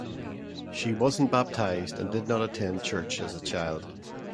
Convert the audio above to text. She wasn't baptized and did not attend church as a child.